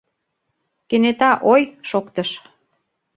Кенета ой! шоктыш.